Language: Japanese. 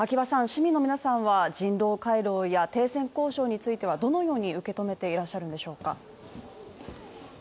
市民の皆さんは人道回廊や停戦交渉についてはどのように受け止めていらっしゃるんでしょうか。